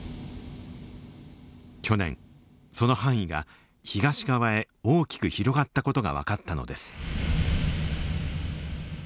去年その範囲が東側へ大きく広がった事が分かったのです。